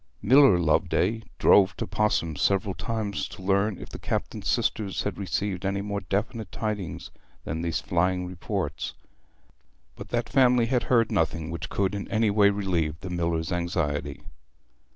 Miller Loveday drove to Pos'ham several times to learn if the Captain's sisters had received any more definite tidings than these flying reports; but that family had heard nothing which could in any way relieve the miller's anxiety.